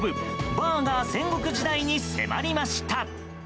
バーガー戦国時代に迫りました。